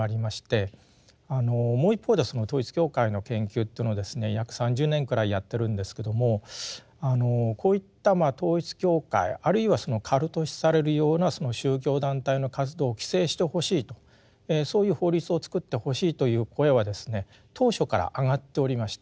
もう一方ではその統一教会の研究というのをですね約３０年くらいやってるんですけどもこういった統一教会あるいはカルト視されるような宗教団体の活動を規制してほしいとそういう法律を作ってほしいという声は当初から上がっておりました。